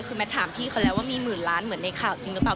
คือแมทถามพี่เขาแล้วว่ามีหมื่นล้านเหมือนในข่าวจริงหรือเปล่า